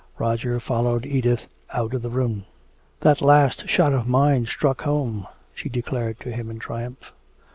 Roger followed Edith out of the room. "That last shot of mine struck home," she declared to him in triumph.